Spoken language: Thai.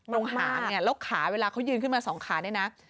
ลงหาเลยเนี่ยแล้วขาเวลาเขายืนขึ้นมา๒ขานี่นะ